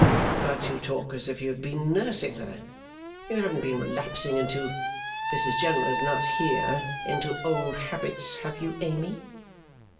But you talk as if you had been nursing her. You haven't been relapsing into (Mrs General is not here) into old habits, have you, Amy?